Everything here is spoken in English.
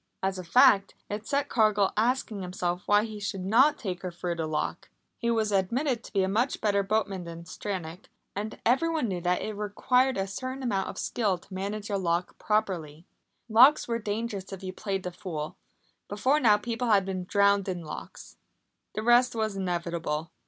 As a fact, it set Cargill asking himself why he should not take her through the lock. He was admitted to be a much better boatman than Stranack, and everyone knew that it required a certain amount of skill to manage a lock properly. Locks were dangerous if you played the fool. Before now people had been drowned in locks. The rest was inevitable.